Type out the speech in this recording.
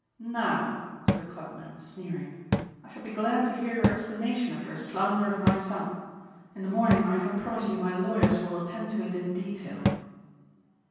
"Now," said the clubman sneering, "I shall be glad to hear your explanation of your slander of my son. In the morning I can promise you my lawyers will attend to it in detail."